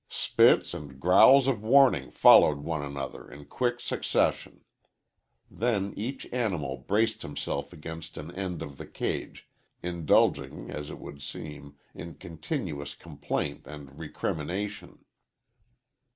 Spits and growls of warning followed one another in quick succession. Then each animal braced himself against an end of the cage, indulging, as it would seem, in continuous complaint and recrimination.